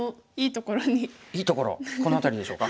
いいところこの辺りでしょうか？